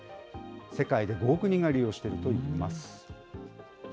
世界で５億人が利用しているといいます。